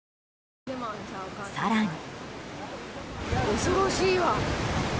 更に。